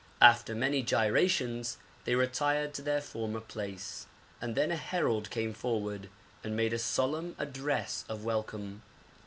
After many gyrations they retired to their former place, and then a herald came forward and made a solemn address of welcome.